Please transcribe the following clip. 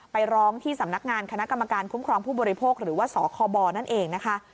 ไปร้องที่สำนักงานคณะกรรมการคุ้มครองผู้บริโภคหรือว่าสคบนั่นเองนะคะ